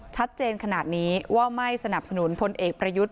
ชัดเจนขนาดนี้ว่าไม่สนับสนุนพลเอกประยุทธ์